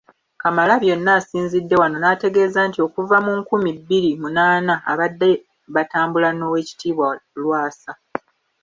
Kamalabyonna asinzidde wano n’ategeeza nti okuva mu nkumi bbiri munaana babadde batambula n’Oweekitiibwa Lwasa.